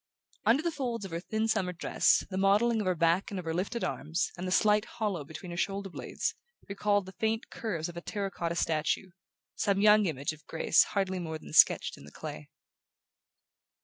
Under the folds of her thin summer dress the modelling of her back and of her lifted arms, and the slight hollow between her shoulder blades, recalled the faint curves of a terra cotta statuette, some young image of grace hardly more than sketched in the clay.